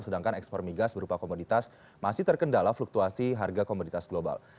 sedangkan ekspor migas berupa komoditas masih terkendala fluktuasi harga komoditas global